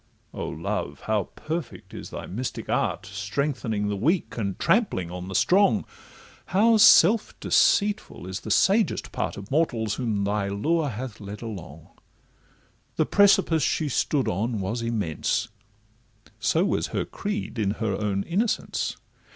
O Love! how perfect is thy mystic art, Strengthening the weak, and trampling on the strong, How self deceitful is the sagest part Of mortals whom thy lure hath led along— The precipice she stood on was immense, So was her creed in her own innocence.